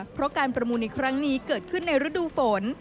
เพราะการประมูลในครั้งนี้เกิดขึ้นในฤดูฝน